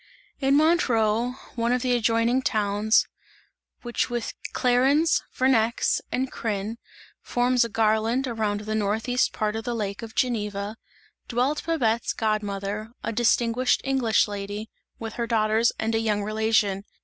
In Montreux, one of the adjoining towns, which with Clarens, Vernex and Crin forms a garland around the northeast part of the lake of Geneva, dwelt Babette's god mother, a distinguished English lady, with her daughters and a young relation.